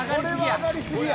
上がり過ぎや。